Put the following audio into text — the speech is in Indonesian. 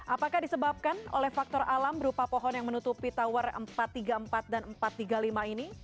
apakah disebabkan oleh faktor alam berupa pohon yang menutupi tower empat ratus tiga puluh empat dan empat ratus tiga puluh lima ini